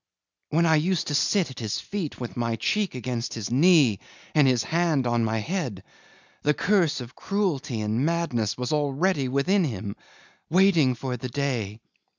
When I used to sit at his feet, with my cheek against his knee and his hand on my head, the curse of cruelty and madness was already within him, waiting for the day.